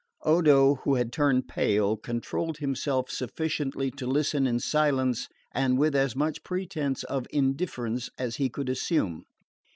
Odo, who had turned pale, controlled himself sufficiently to listen in silence, and with as much pretence of indifference as he could assume.